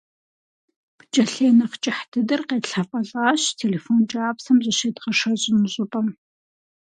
ПкӀэлъей нэхъ кӀыхь дыдэр къетлъэфэлӀащ телефон кӀапсэм зыщедгъэшэщӀыну щӀыпӀэм.